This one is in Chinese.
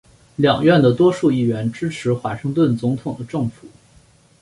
两院的多数议员支持华盛顿总统的政府。